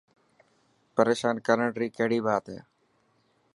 پريشان ڪرڻ ري ڪهڙي بات هي.